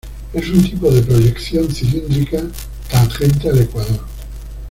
Es un tipo de proyección cilíndrica tangente al ecuador.